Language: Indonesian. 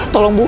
tolong ibu ibu